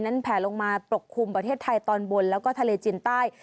แผลลงมาปกคลุมประเทศไทยตอนบนแล้วก็ทะเลจีนใต้